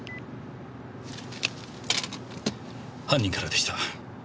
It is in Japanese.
犯人からでした。